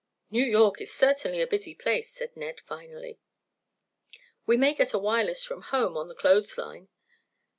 "New York is certainly a busy place," said Ned, finally. "We may get a wireless from home on the clothes line.